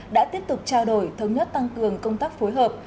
đã tiếp tục trao đổi thống nhất tăng cường công tác phối hợp